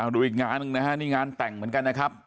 ดูอีกงานหนึ่งนะฮะนี่งานแต่งเหมือนกันนะครับ